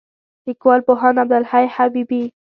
لیکوال: پوهاند عبدالحی حبیبي